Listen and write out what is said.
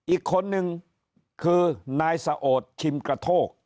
อีกคนนึงคือนายสะโอดชิมกระโทก